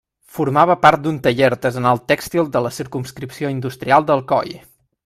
Formava part d'un taller artesanal tèxtil de la circumscripció industrial d'Alcoi.